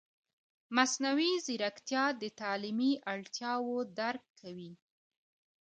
مصنوعي ځیرکتیا د تعلیمي اړتیاوو درک کوي.